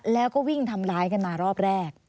แล้วก็วิ่งทำร้ายกันมารอบแรก